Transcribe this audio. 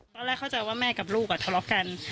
ตอนแรกเข้าใจว่าแม่กับลูกทะเลาะกัน